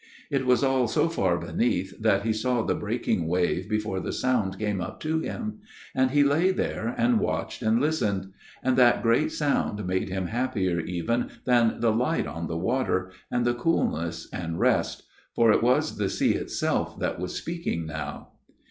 It was all so far beneath that he saw the breaking wave before the sound came up to him ; and he lay there and watched and listened ; and that great sound made him happier even 260 A MIRROR OF SHALOTT than the light on the water, and the coolness and rest ; for it was the sea itself that was speaking now.